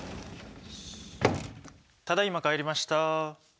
ただいま帰りました！